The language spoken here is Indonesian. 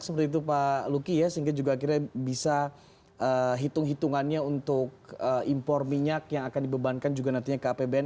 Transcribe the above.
seperti itu pak lucky ya sehingga juga akhirnya bisa hitung hitungannya untuk impor minyak yang akan dibebankan juga nantinya ke apbn